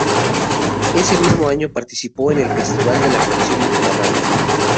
Ese mismo año participó en el Festival de la Canción Mediterránea.